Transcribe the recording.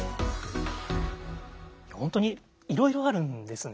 本当にいろいろあるんですね。